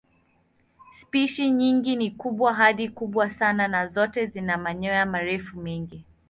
Spishi nyingi ni kubwa hadi kubwa sana na zote zina manyoya marefu mengi.